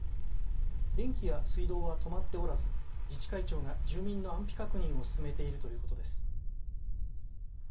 電気や水道は止まっておらず自治会長が住民の安否確認を進めているということです。